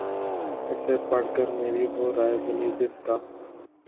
اسے پڑھ کر میری وہ رائے بنی جس کا